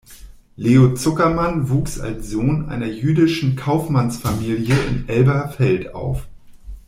Leo Zuckermann wuchs als Sohn einer jüdischen Kaufmannsfamilie in Elberfeld auf.